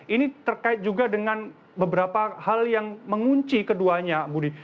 ini terkait juga dengan beberapa hal yang mengunci keduanya budi